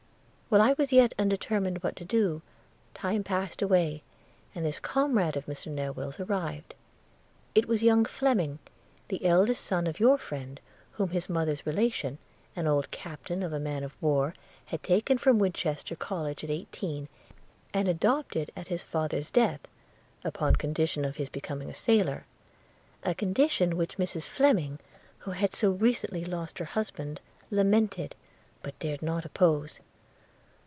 While I was yet undetermined what to do, time passed away, and this comrade of Mr Newill's arrived. It was young Fleming, the eldest son of your friend, whom his mother's relation, an old captain of a man of war, had taken from Winchester college at eighteen, and adopted at his father's death upon condition of his becoming a sailor – a condition which Mrs Fleming, who had so recently lost her husband, lamented, but dared not oppose.